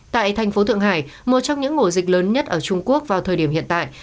tại thành phố thượng hải một trong những ổ dịch lớn nhất ở trung quốc vào thời điểm hiện tại